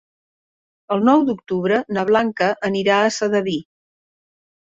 El nou d'octubre na Blanca anirà a Sedaví.